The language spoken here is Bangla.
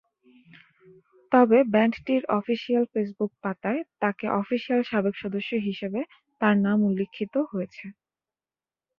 তবে, ব্যান্ডটির অফিসিয়াল ফেসবুক পাতায়, তাকে অফিসিয়াল সাবেক সদস্য হিসাবে তার নাম উল্লেখিত হয়েছে।